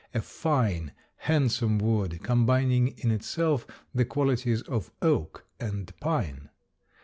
A fine, handsome wood, combining in itself the qualities of oak and pine.